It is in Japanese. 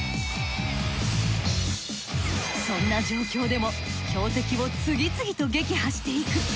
そんな状況でも標的を次々と撃破していく。